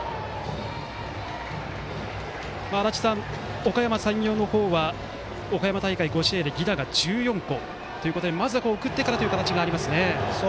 おかやま山陽の方は岡山大会５試合で犠打が１４個ということでまずは送ってからという形がありますね。